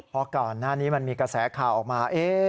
พอก่อนหน้านี้มันมีกระแสข่าวออกมา